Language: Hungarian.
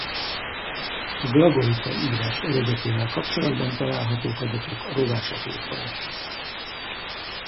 A glagolita írás eredetével kapcsolatban találhatók adatok a Rovás Atlaszban is.